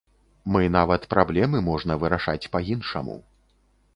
Мы нават праблемы можна вырашаць па-іншаму.